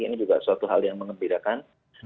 ini juga suatu hal yang mengembirakan